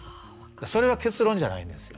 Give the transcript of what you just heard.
それは結論じゃないんですよ。